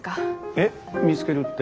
えっ見つけるって？